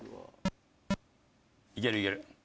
いけるいける。